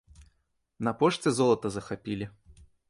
На пошце золата захапілі.